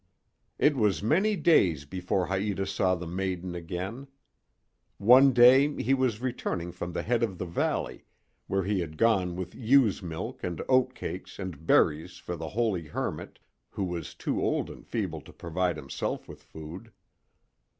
It was many days before Haïta saw the maiden again. One day he was returning from the head of the valley, where he had gone with ewe's milk and oat cake and berries for the holy hermit, who was too old and feeble to provide himself with food.